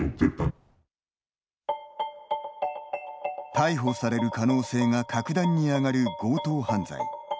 逮捕される可能性が格段に上がる強盗犯罪。